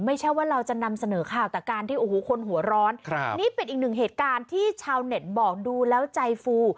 ไม่ใช่ว่าเราจะนำเสนอข่าวแต่การที่โอ้โหคนหัวร้อนครับนี่เป็นอีกหนึ่งเหตุการณ์ที่ชาวเน็ตบอกดูแล้วใจฟู